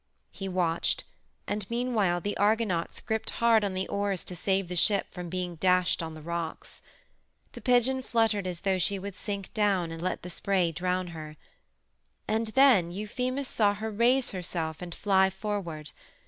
He watched, and meanwhile the Argonauts gripped hard on the oars to save the ship from being dashed on the rocks. The pigeon fluttered as though she would sink down and let the spray drown her. And then Euphemus saw her raise herself and fly forward.